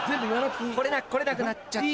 来れなくなっちゃって。